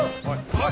はい。